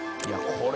これ」